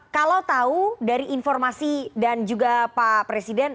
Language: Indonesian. kalau tahu dari informasi dan juga pak presiden